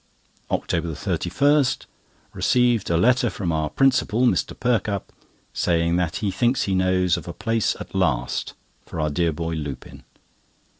OCTOBER 31.—Received a letter from our principal, Mr. Perkupp, saying that he thinks he knows of a place at last for our dear boy Lupin.